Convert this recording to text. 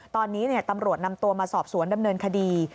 ตอนนี้ตำรวจนำตัวมาสอบสวนดำเนินคดี